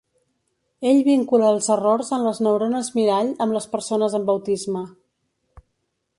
Ell vincula els errors en les neurones mirall amb les persones amb autisme.